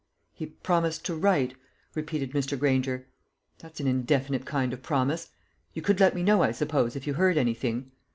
"He promised to write," repeated Mr. Granger. "That's an indefinite kind of promise. You could let me know, I suppose, if you heard anything?"